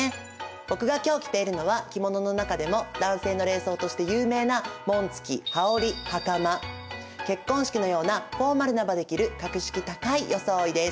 僕が今日着ているのは着物の中でも男性の礼装として有名な結婚式のようなフォーマルな場で着る格式高い装いです。